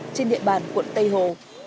trên địa bàn quận tây hồ